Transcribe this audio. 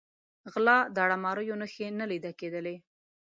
غلا، داړه ماریو نښې نه لیده کېدلې.